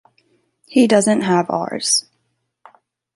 He doesn’t have ours.